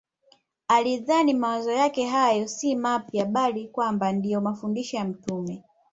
Alidhani mawazo yake hayo si mapya bali kwamba ndiyo mafundisho ya mtume